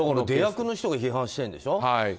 出役の人が批判してるんでしょ。